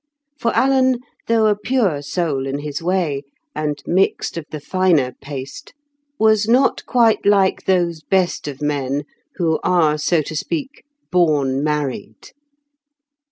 For Alan, though a pure soul in his way, and mixed of the finer paste, was not quite like those best of men, who are, so to speak, born married.